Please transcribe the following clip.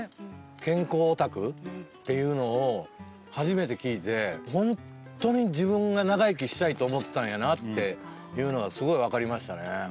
健康オタクっていうのを初めて聞いて本当に自分が長生きしたいと思ってたんやなっていうのがすごい分かりましたね。